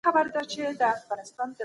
وطن د فکر او اندېښنې ځای دی.